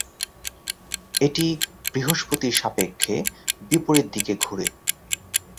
এটি বৃহস্পতির সাপেক্ষে বিপরীত দিকে ঘুরে।